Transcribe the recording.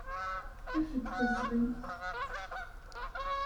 Af-d tasɣimt.